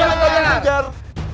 masukan batu jajar